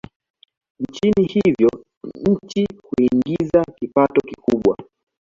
nchini hivyo nchi huiingiza kipato kikubwa